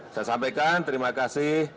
saya sampaikan terima kasih